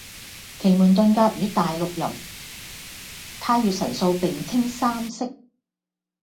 奇門遁甲與大六壬、太乙神數並稱三式。